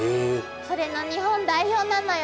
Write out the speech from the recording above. それの日本代表なのよ。